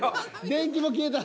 電気も消えた。